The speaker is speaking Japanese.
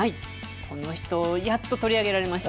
この人、やっと取り上げられました。